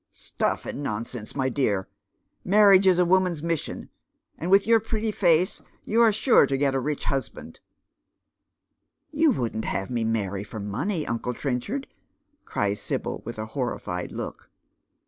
" StuS and nonsense, my dear I Marriage is a woman's mission, and with your pretty face you are sure to get a rich husband." " You wouldn't have me marry for money, uncle Trenchard I " cries Sibyl, with a horrified look.